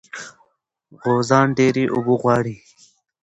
غوزان ډېرې اوبه غواړي.